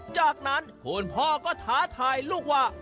จากนั้นคุณพ่อก็ท้าทายลูกว่า